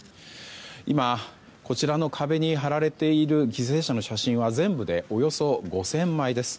今、こちらの壁に貼られている犠牲者の写真は全部でおよそ５０００枚です。